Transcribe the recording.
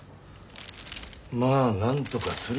まあなんとかするよ。